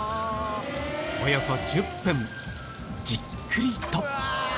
およそ１０分、じっくりと。